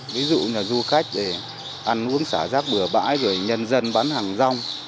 ví dụ là du khách ăn uống xả rác bừa bãi rồi nhân dân bán hàng rong